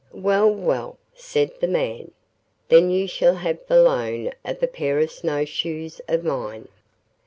'Well, well,' said the man, 'then you shall have the loan of a pair of snow shoes of mine.